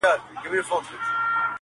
ژوند به نه غواړي مرگی به یې خوښېږي.!